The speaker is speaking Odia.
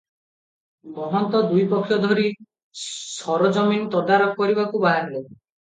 ମହନ୍ତ ଦୁଇପକ୍ଷ ଧରି ସରଜମିନ ତଦାରଖ କରିବାକୁ ବାହାରିଲେ ।